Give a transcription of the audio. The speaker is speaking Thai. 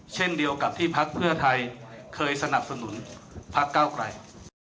เช่นเดียวกับที่พักเพื่อไทยเคยสนับสนุนพักเก้าไกล